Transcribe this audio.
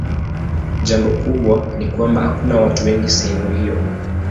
Jambo kubwa ni kwamba hakuna watu wengi sehemu hiyo.